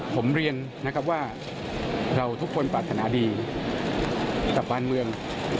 ผมเรียนนะครับว่าเราทุกคนปรารถนาดีกับบ้านเมือง